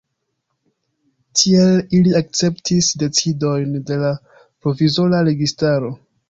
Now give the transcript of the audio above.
Tiel ili akceptis decidojn de la provizora registaro.